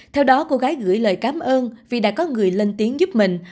theo đó cô gái gửi lời cảm ơn vì đã có người lên tiếng giúp mình